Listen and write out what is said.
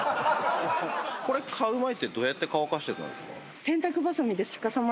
これ買う前ってどうやって乾かしてたんですか？